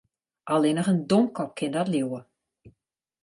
Allinnich in domkop kin dat leauwe.